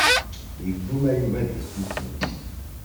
Yegguma Yuba ad yessusem.